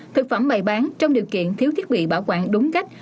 thực phẩm bày bán trong điều kiện thiếu thiết bị bảo quản đúng cách